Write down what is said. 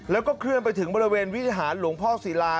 แล้วก็เคลื่อนไปถึงบริเวณวิหารหลวงพ่อศิลา